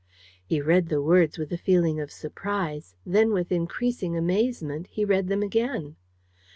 He read the words with a feeling of surprise; then, with increasing amazement, he read them again.